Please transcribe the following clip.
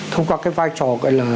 thông qua cái vai trò gọi là